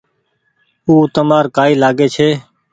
او تمآر ڪآئي لآگي ڇي۔